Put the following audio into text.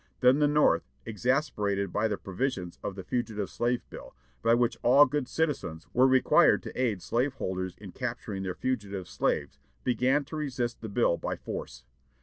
Then the North, exasperated by the provisions of the Fugitive Slave Bill, by which all good citizens were required to aid slave holders in capturing their fugitive slaves, began to resist the bill by force.